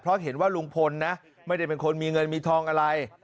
เพราะเห็นว่าลุงพลนะไม่ได้เป็นคนมีเงินมีทองอะไร